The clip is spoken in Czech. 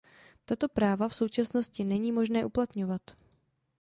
Tato práva v současnosti není možné uplatňovat.